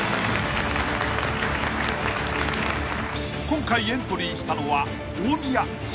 ［今回エントリーしたのは］